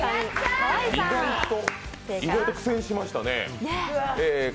意外と苦戦しましたね。